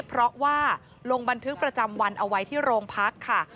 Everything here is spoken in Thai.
เพราะว่าลงบันทึกประจำวันเอาไว้ที่โรงพักค่ะ